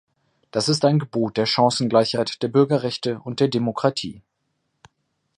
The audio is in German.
Das ist ein Gebot der Chancengleichheit, der Bürgerrechte und der Demokratie.